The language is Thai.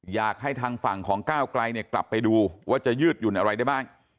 อยากให้ทางฝั่งของก้าวไกลเนี่ยกลับไปดูว่าจะยืดหยุ่นอะไรได้บ้าง